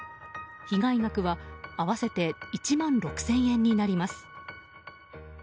被害額は合わせて１万６０００円になります。